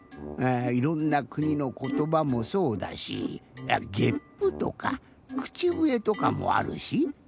いろんなくにのことばもそうだしゲップとかくちぶえとかもあるし。